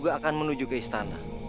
jalan yang lebih jauh